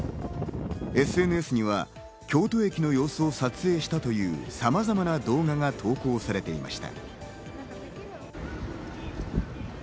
ＳＮＳには京都駅の様子を撮影したというさまざまな動画が投稿されていました。